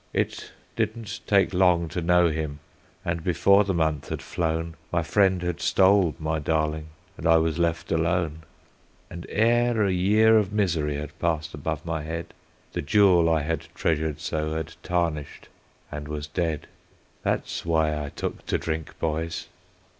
"It didn't take long to know him, and before the month had flown My friend had stole my darling, and I was left alone; And ere a year of misery had passed above my head, The jewel I had treasured so had tarnished and was dead. "That's why I took to drink, boys.